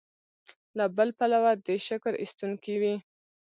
له بل پلوه دې شکر ایستونکی وي.